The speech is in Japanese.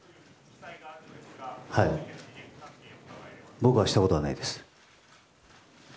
僕はしたことはないです。